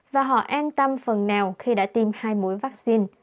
và họ an tâm phần nào khi đã tiêm hai mối vaccine